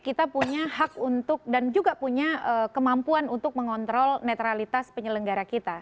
kita punya hak untuk dan juga punya kemampuan untuk mengontrol netralitas penyelenggara kita